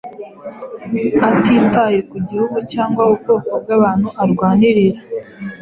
atitaye ku gihugu cyangwa ubwoko bw’abantu arwanirira